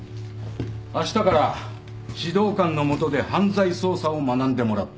あしたから指導官の下で犯罪捜査を学んでもらう。